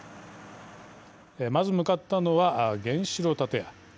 まず向かったのは原子炉建屋。